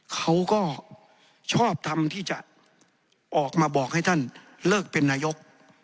เขาก็ชอบทำที่จะออกมาบอกให้ท่านเลิกเป็นนายก